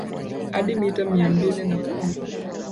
hadi mita mia moja na kumi